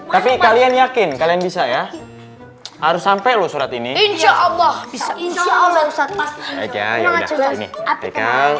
tapi kalian yakin kalian bisa ya harus sampai loh surat ini insya allah bisa insya allah